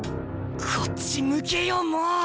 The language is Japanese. こっち向けよもう！